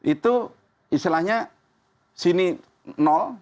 itu istilahnya sini nol